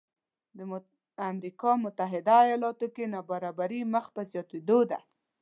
د امریکا متحده ایالاتو کې نابرابري مخ په زیاتېدو ده